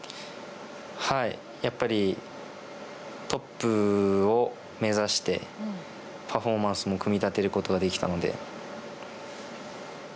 やっぱりトップを目指してパフォーマンスも組み立てることができたので。